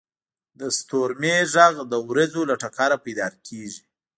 • د ستورمې ږغ د ورېځو له ټکره پیدا کېږي.